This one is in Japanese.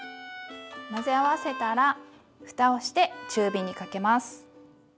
混ぜ合わせたらふたをして中火にかけます。